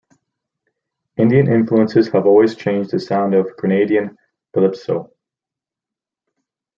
Indian influences have also changed the sound of Grenadian calypso.